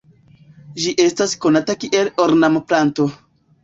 Ĝi estas konata kiel ornamplanto.